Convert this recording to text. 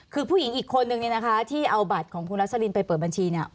คือผู้หญิงอีกคนนึงเนี่ยนะคะที่เอาบัตรของคุณรัสลินไปเปิดบัญชีเนี่ย